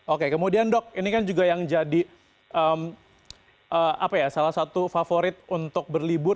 oke kemudian dok ini kan juga yang jadi salah satu favorit untuk berlibur